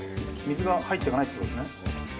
水が入っていかないって事ですね。